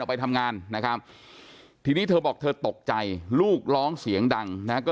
ไปทำงานนะครับทีนี้เธอบอกเธอตกใจลูกร้องเสียงดังนะก็